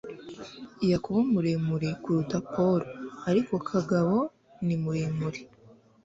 Yakobo muremure kuruta Paul, ariko Kagabo ni muremure